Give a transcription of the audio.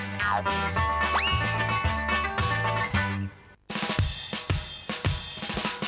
สวัสดีค่ะ